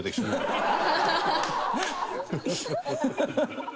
ハハハハ！